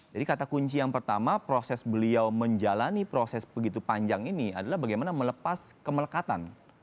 jadi kata kunci yang pertama proses beliau menjalani proses begitu panjang ini adalah bagaimana melepas kemelekatan